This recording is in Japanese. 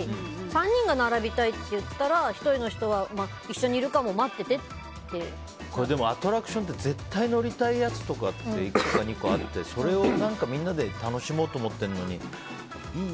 ３人が並びたいって言ったら１人の人はアトラクションって絶対乗りたいやつとかって１個か２個あってそれをみんなで楽しもうと思ってるのにいい、いい。